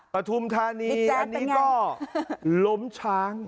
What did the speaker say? ปฐุมธานีอันนี้ก็ล้มช้าง